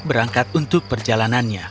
dia berangkat untuk perjalanannya